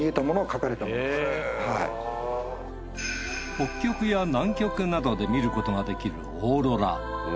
北極や南極などで見ることができるオーロラ。